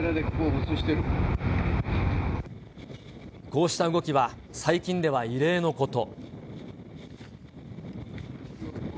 こうした動きは最近では異例のこと。